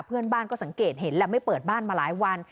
เพื่อนบ้านก็สังเกตเห็นและไม่เปิดบ้านมาหลายวัน